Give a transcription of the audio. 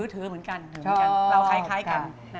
ถือเหมือนกันเราคล้ายกัน